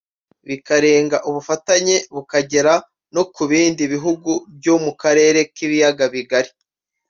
bikanarenga ubufatanye bukagera no ku bindi bihugu byo mu karere k’ibiyaga bigari